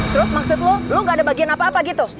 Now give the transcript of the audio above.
terus maksud lo gak ada bagian apa apa gitu